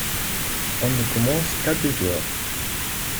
On ne commence qu’à deux heures.